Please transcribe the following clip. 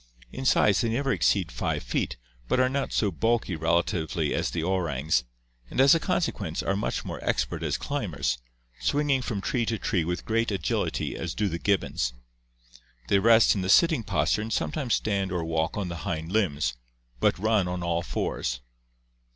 In size they never exceed 5 feet but are not so bulky relatively as the orangs, and as a consequence are much more expert as climbers, swinging from tree to tree with great agility as do the gibbons. They rest in the sitting posture and sometimes stand or walk on the hind limbs, but run on all fours.